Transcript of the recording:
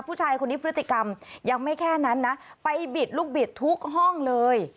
ผู้ชายคนนี้พฤติกรรมยังไม่แค่นั้นนะไปบิดลูกบิดทุกห้องเลย